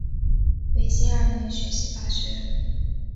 维新二年学习法学。